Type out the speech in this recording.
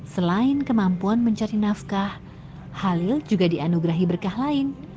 selain kemampuan mencari nafkah halil juga dianugerahi berkah lain